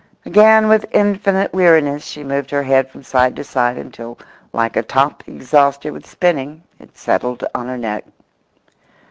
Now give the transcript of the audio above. Again with infinite weariness she moved her head from side to side until, like a top exhausted with spinning, it settled on her neck.